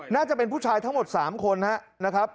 น่าจะเป็นผู้ชายทั้งหมด๓คนนะครับ